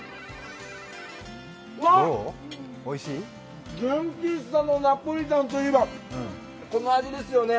うわっ、純喫茶のナポリタンといえばこの味ですよね。